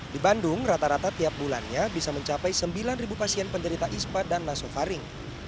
di bandung rata rata tiap bulannya bisa mencapai sembilan pasien penderita ispa dan nasofaring